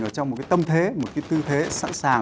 ở trong một cái tâm thế một cái tư thế sẵn sàng